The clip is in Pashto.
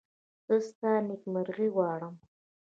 زه ستا نېکمرغي غواړم.